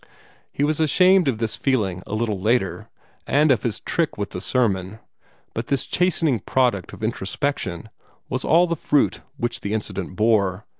He was ashamed of this feeling a little later, and of his trick with the sermon. But this chastening product of introspection was all the fruit which the incident bore.